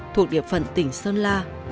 thuộc địa phận tỉnh sơn la